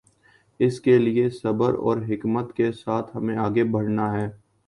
اس کے لیے صبر اور حکمت کے ساتھ ہمیں آگے بڑھنا ہے۔